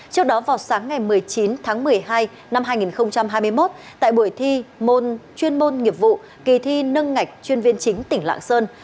trước đó vào sáng ngày một mươi chín tháng một mươi hai năm hai nghìn hai mươi một tại buổi thi môn chuyên môn nghiệp vụ kỳ thi nâng ngạch chuyên viên chính tỉnh lạng sơn